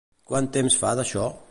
Quant temps fa d'això?